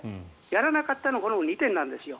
やらなかったのはこの２点なんですね。